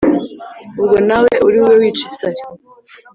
ubwo nawe uri bube wica isari.